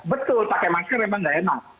betul pakai masker memang tidak enak